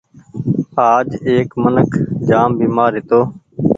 آج ايڪ منک جآم بيمآر هيتو